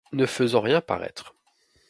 Ne faisons rien paraître.